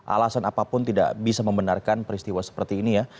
alasan apapun tidak bisa membenarkan peristiwa seperti ini ya